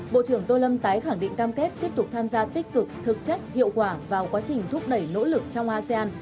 bộ trưởng tô lâm tái khẳng định cam kết tiếp tục tham gia tích cực thực chất hiệu quả vào quá trình thúc đẩy nỗ lực trong asean